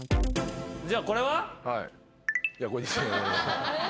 じゃあこれは？